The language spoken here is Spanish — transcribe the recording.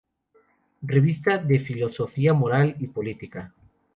Revista de Filosofía Moral y Política".